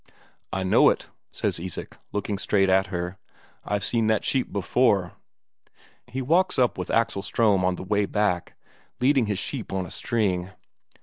"I know it," said Isak, looking straight at her. "I've seen that sheep before." He walks up with Axel Ström on the way back, leading his sheep on a string.